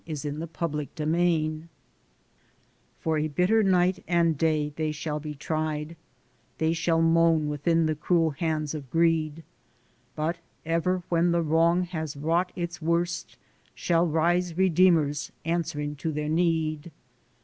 A MYSTERIOUS EVENT For a bitter night and day they shall be tried, They shall moan within the cruel hands of greed; But ever when the wrong has wrought its worst Shall rise Redeemers answering to their need.